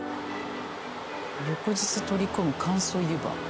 翌日取り込む乾燥湯葉。